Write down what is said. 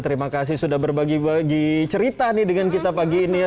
terima kasih sudah berbagi bagi cerita nih dengan kita pagi ini ya